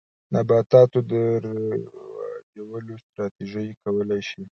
نباتاتو د رواجولو ستراتیژۍ کولای شي.